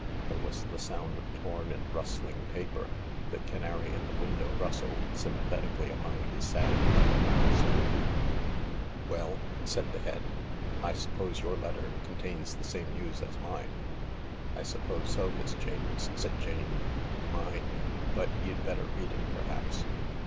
There was the sound of torn" and rustling paper. The canary in the window rustled sympathetically among his sand and groundsel. THE LARK 25 " Well ?" said the Head. " I suppose your letter contains the same news as mine ?"" I suppose so, Miss James," said Jane. " Mine — but you'd better read it, perhaps."